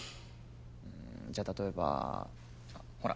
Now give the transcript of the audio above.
うんじゃあ例えばほら。